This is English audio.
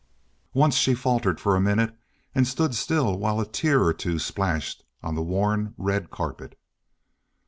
Once she faltered for a minute and stood still while a tear or two splashed on the worn red carpet.